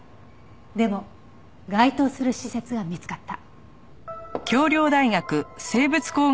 でも該当する施設は見つかった。